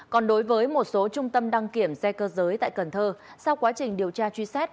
còn đối với một số trung tâm đăng kiểm xe cơ giới tại cần thơ sau quá trình điều tra truy xét